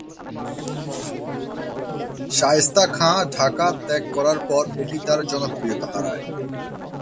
শায়েস্তা খাঁ ঢাকা ত্যাগ করার পর এটি এর জনপ্রিয়তা হারায়।